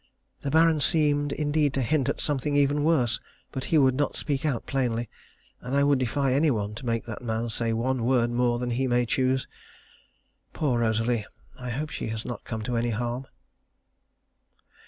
The Baron seemed indeed to hint at something even worse, but he would not speak out plainly, and I would defy any one to make that man say one word more than he may choose. Poor Rosalie, I hope she has not come to any harm.